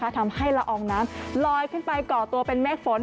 ทำให้ละอองน้ำลอยขึ้นไปก่อตัวเป็นเมฆฝน